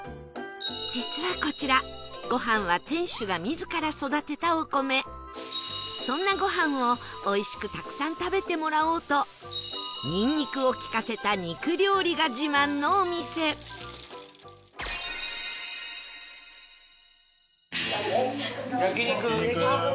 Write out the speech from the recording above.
実はこちらご飯はそんなご飯を美味しくたくさん食べてもらおうとニンニクをきかせた肉料理が自慢のお店焼肉！